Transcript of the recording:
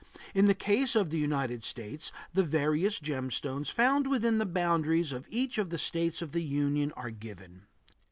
In the case of the United States the various gem stones found within the boundaries of each of the States of the Union are given.